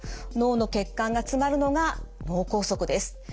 脳の血管が詰まるのが脳梗塞です。